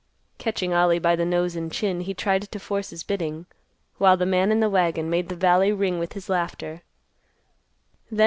Catching Ollie by the nose and chin, he tried to force his bidding, while the man in the wagon made the valley ring with his laughter.